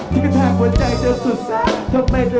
ที่กระทั่งหัวใจเธอสุดแสบ